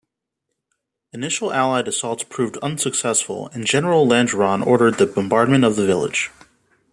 Initial Allied assaults proved unsuccessful and General Langeron ordered the bombardment of the village.